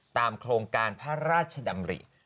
โครงการพระราชดำริ